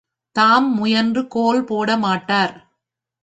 தாம் முயன்று கோல் போட மாட்டார்.